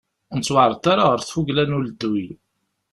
Ur nettwaεreḍ ara ɣer tfugla n uledduy.